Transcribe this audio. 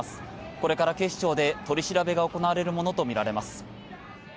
これから警視庁で取り調べが行われるものとみられます。